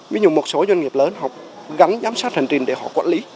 ví dụ một số doanh nghiệp lớn họ gắn giám sát hành trình để họ quản lý